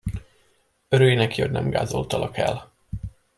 Örülj neki, hogy nem gázoltalak el!